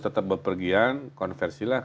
tetap berpergian konversilah